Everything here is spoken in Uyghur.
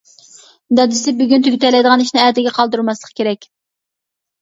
دادىسى:بۈگۈن تۈگىتەلەيدىغان ئىشنى ئەتىگە قالدۇرماسلىق كېرەك.